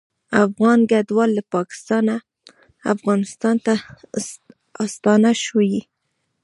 افغان کډوال له پاکستانه افغانستان ته ستانه شوي